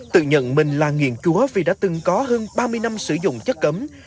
tự nhận mình là nghiền chúa vì đã từng có hơn ba mươi năm sử dụng chất cấm